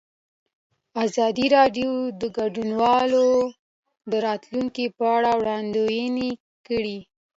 ازادي راډیو د کډوال د راتلونکې په اړه وړاندوینې کړې.